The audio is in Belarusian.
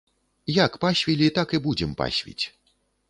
Як пасвілі, так і будзем пасвіць!